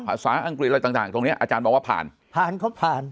ภาษาอังกฤษอะไรต่างตรงเนี้ยอาจารย์มองว่าผ่านผ่านเขาผ่าน